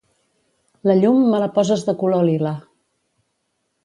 La llum me la poses de color lila